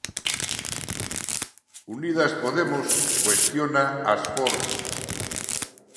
Unidas Podemos cuestiona as formas.